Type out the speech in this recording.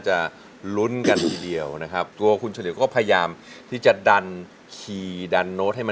หัวใจวิวก็พร้อมแค่ว่า